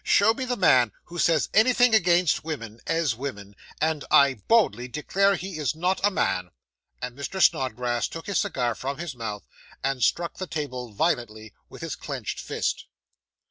Show me the man who says anything against women, as women, and I boldly declare he is not a man.' And Mr. Snodgrass took his cigar from his mouth, and struck the table violently with his clenched fist.